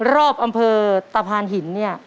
รอบอำเภอตะพานหินเนี่ย